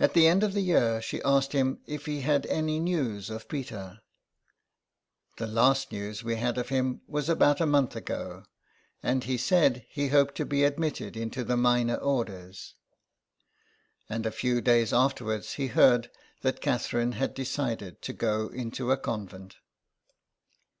At the end of the year she asked him if he had any news of Peter. ^' The last news we had of him was about a month ago, and he said he hoped to be admitted into the minor orders." And a few days afterwards he heard that Catherine had decided to go into a convent.